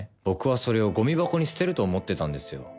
僕はそれをごみ箱に捨てると思ってたんですよ。